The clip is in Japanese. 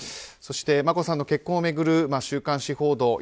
そして、眞子さんの結婚を巡る週刊誌報道